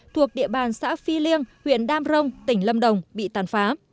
thuộc địa bàn xã phi liêng huyện đam rông tỉnh lâm đồng bị tàn phá